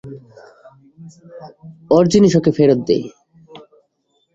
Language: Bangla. ওর জিনিস ওকে ফেরত দে।